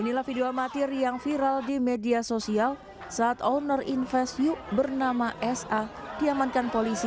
inilah video amatir yang viral di media sosial saat owner invesyuk bernama sa diamankan polisi